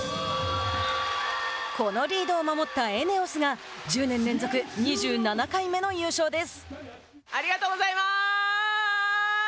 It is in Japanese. このリードを守ったＥＮＥＯＳが１０年連続２７回目の優勝です。